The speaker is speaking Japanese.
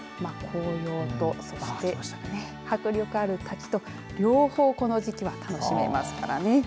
紅葉と、そして迫力ある滝と両方この時期は楽しめますからね。